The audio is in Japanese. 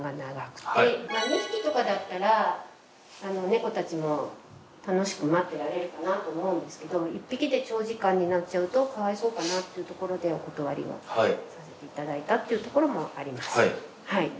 ２匹とかだったら猫たちも楽しく待ってられるかなと思うんですけど１匹で長時間になっちゃうとかわいそうかなというところでお断りをさせていただいたというところもあります。